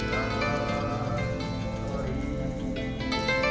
sudah mungkin mereka wilayah nyaman atau